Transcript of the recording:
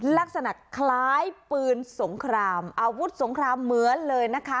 ลักษณะคล้ายปืนสงครามอาวุธสงครามเหมือนเลยนะคะ